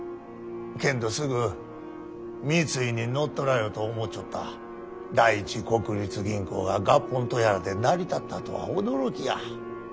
けんどすぐ三井に乗っ取られると思うちょった第一国立銀行が合本とやらで成り立ったとは驚きや。